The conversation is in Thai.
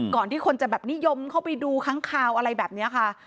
ก่อนที่คนจะแบบนิยมเข้าไปดูครั้งข่าวอะไรแบบเนี้ยค่ะ